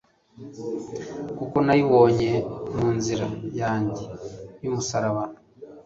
kuko nayibonye mu nzira yanjye y'umusalaba